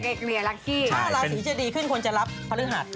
ถ้า๕ราศีจะดีขึ้นควรจะรับภรรยาศ